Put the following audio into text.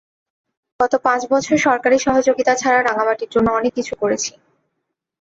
গত পাঁচ বছর সরকারি সহযোগিতা ছাড়া রাঙামাটির জন্য অনেক কিছু করেছি।